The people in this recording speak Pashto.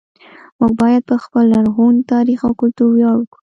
موږ باید په خپل لرغوني تاریخ او کلتور ویاړ وکړو